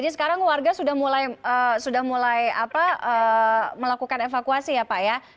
sekarang warga sudah mulai melakukan evakuasi ya pak ya